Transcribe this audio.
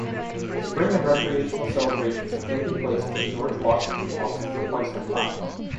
Spring and recreational celebrations have taken place at the George-Washington-Hof for quite some time.